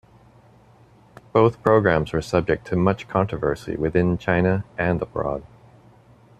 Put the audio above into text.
Both programs were subject to much controversy within China and abroad.